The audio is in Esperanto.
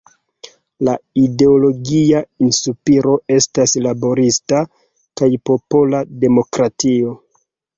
La ideologia inspiro estas laborista kaj popola demokratio.